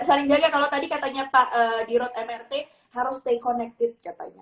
saling jaga kalau tadi katanya pak dirut mrt harus stay connected katanya